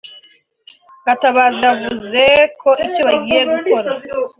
Gatabazi yavuze ko icyo bagiye gukora